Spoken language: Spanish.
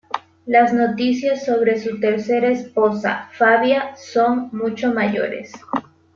Las noticias sobre su tercera esposa, Fabia, son mucho mayores.